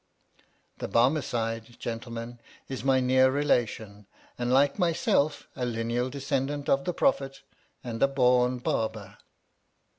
(The Barmecide, gentlemen, is my near relation, and, like myself, a lineal descendant of the Prophet, and a born Barber.)